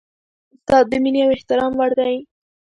استاد د مینې او احترام وړ دی.